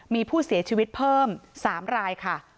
มีผู้เสียชีวิตเพิ่ม๓รายค่ะ